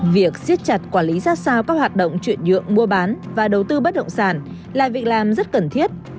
việc siết chặt quản lý ra sao các hoạt động chuyển nhượng mua bán và đầu tư bất động sản là việc làm rất cần thiết